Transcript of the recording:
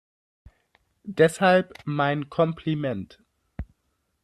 Deshalb mein Kompliment.